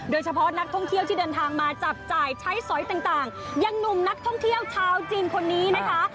โดยเฉพาะนักท่องเที่ยวที่เดินทางมาจับจ่ายใช้สอยต่างยังหนุ่มนักท่องเที่ยวชาวจีนคนนี้นะคะ